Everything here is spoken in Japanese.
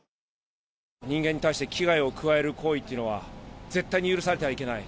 人間に対して危害を加える行為というのは、絶対に許されてはいけない。